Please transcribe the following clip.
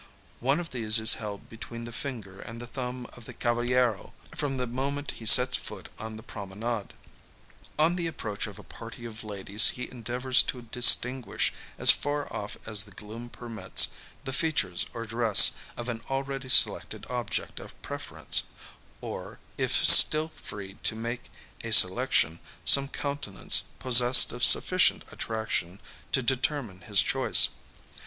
One of these is held between the finger and thumb of the cavallero, from the moment he sets foot on the promenade. On the approach of a party of ladies he endeavours to distinguish, as far off as the gloom permits, the features or dress of an already selected object of preference; or, if still free to make a selection, some countenance possessed of sufficient attraction to determine his choice.